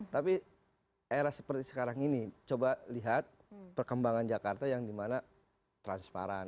tapi era seperti sekarang ini coba lihat perkembangan jakarta yang dimana transparan